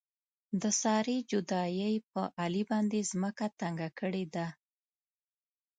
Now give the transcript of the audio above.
د سارې جدایۍ په علي باندې ځمکه تنګه کړې ده.